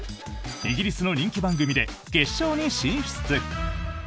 イギリスの人気番組で決勝に進出。